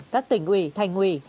các tỉnh ủy thành ủy